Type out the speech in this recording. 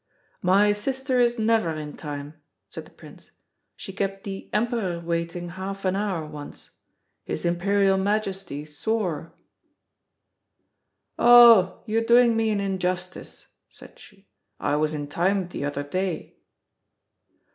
"My sister is never in time," said the Prince. "She kept the Emperor waiting half an hour once. His Imperial Majesty swore." "Oh, you're doing me an injustice,", said she. "I was in time the other day."